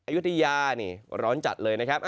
อยุธยาร้อนจัดเลยนะครับ